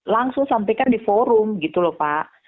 langsung sampaikan di forum gitu loh pak